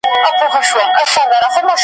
چي مخکي مي هیڅ فکر نه دی پکښی کړی .